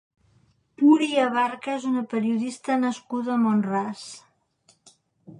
Puri Abarca és una periodista nascuda a Mont-ras.